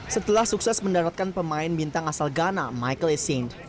setelah sukses mendaratkan pemain bintang asal ghana michael essing